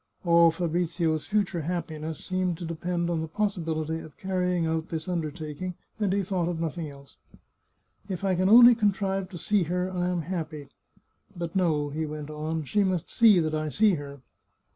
All Fabrizio's future happiness seemed to depend on the possibility of carrying out this undertaking, and he thought of nothing else. " If I can only contrive to see her, I am happy. ... But, no," he went on, " she must see that I see her."